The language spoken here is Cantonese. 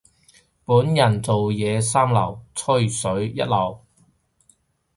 本人做嘢三流，吹水一流。